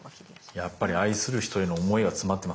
やっぱり愛する人への思いが詰まってますからね。